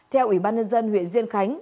theo ủy ban nhân dân huyện diên khánh